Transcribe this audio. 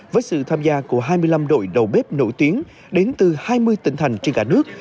với sự tham gia của hai mươi năm đội đầu bếp nổi tiếng đến từ hai mươi tỉnh thành trên cả nước